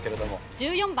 １４番。